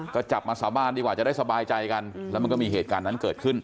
ก็จับมาสาบานดีกว่าจะได้สบายใจกันแล้วมันก็มีเหตุการณ์นั้นเกิดขึ้น